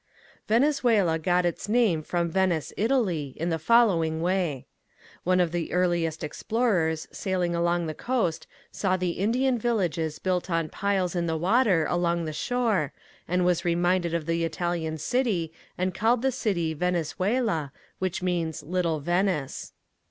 Venezuela got its name from Venice, Italy, in the following way. One of the earliest explorers sailing along the coast saw the Indian villages built on piles in the water along the shore and was reminded of the Italian city and called the country Venezuela, which means "little Venice."